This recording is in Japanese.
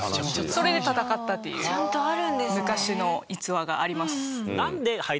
それで戦ったっていう昔の逸話があります。